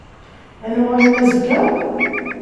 Ad n-uɣalen azekka?